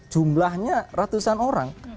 jumlahnya ratusan orang